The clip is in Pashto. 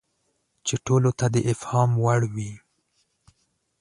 چې ټولو ته د افهام وړ وي.